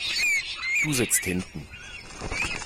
Du sitzt hinten.